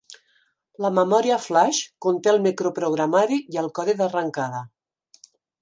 La memòria flaix conté el microprogramari i el codi d'arrencada.